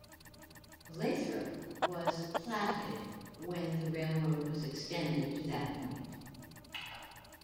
Lathrop was platted when the railroad was extended to that point.